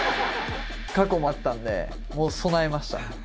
過去もあったんで、もう備えました。